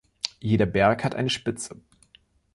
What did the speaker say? Jeder Berg hat eine Spitze.